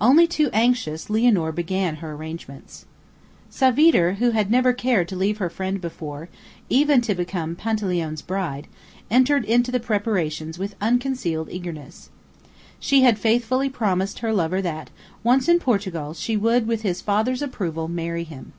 Only too anxious, Lianor began her arrangements. Savitre, who had never cared to leave her friend before, even to become Panteleone's bride, entered into the preparations with unconcealed eagerness. She had faithfully promised her lover that, once in Portugal, she would, with his father's approval, marry him.